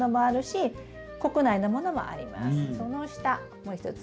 その下もう一つ。